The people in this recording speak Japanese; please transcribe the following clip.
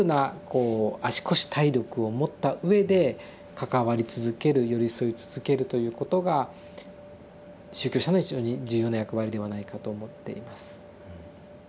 こう足腰体力を持ったうえで関わり続ける寄り添い続けるということが宗教者の非常に重要な役割ではないかと思っています。